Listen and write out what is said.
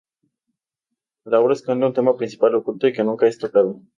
La obra esconde un tema principal oculto y que nunca es tocado.